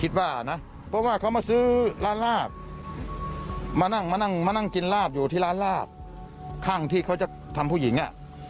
ตอนทุ่มถึงหนึ่ง